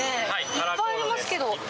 いっぱいありますけど。